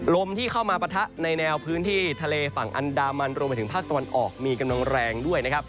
ลมที่เข้ามาปะทะในแนวพื้นที่ทะเลฝั่งอันดามันรวมไปถึงภาคตะวันออกมีกำลังแรงด้วยนะครับ